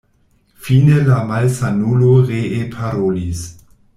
Fine la malsanulo ree parolis: